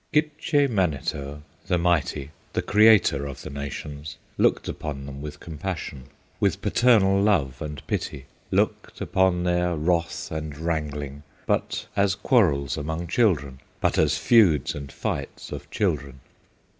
Gitche Manito, the mighty, The creator of the nations, Looked upon them with compassion, With paternal love and pity; Looked upon their wrath and wrangling But as quarrels among children, But as feuds and fights of children!